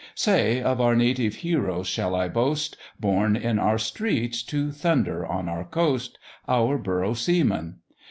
Say, of our native heroes shall I boast, Born in our streets, to thunder on our coast, Our Borough seamen?